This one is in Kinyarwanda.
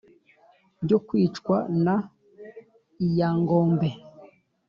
byo kicwa na lyangombe